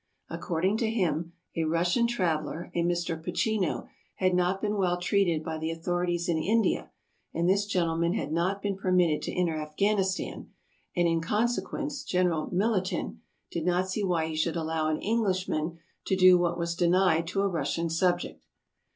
According to him, a Russian traveler, a Mr. Pachino, had not been well treated by the authorities in India, and this gentleman had not been permitted to enter Afghanistan, and, in conse quence, General Milutin did not see why he should allow an Englishman to do what was denied to a Russian subject.